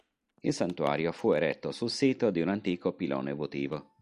Il santuario fu eretto sul sito di un antico pilone votivo.